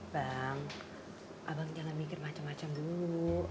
bang abang jangan mikir macem macem dulu